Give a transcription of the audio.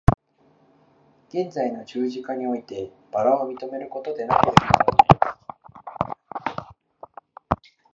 現在の十字架において薔薇を認めることでなければならない。